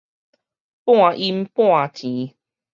半陰半晴